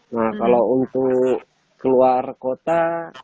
nah kalau untuk keluar kota